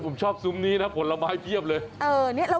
ผมชอบซุ้มนี้นะผลไม้เพียบเลย